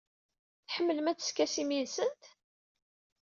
Tḥemmlem ad teskasim yid-sent?